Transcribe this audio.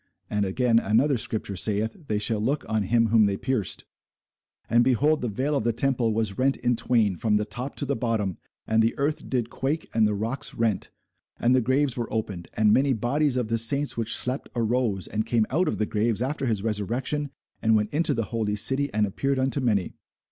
And again another scripture saith, They shall look on him whom they pierced. And, behold, the veil of the temple was rent in twain from the top to the bottom; and the earth did quake, and the rocks rent; and the graves were opened; and many bodies of the saints which slept arose, and came out of the graves after his resurrection, and went into the holy city, and appeared unto many.